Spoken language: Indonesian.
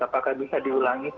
apakah bisa diulangi